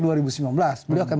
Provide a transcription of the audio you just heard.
beliau akan berhenti jadi presiden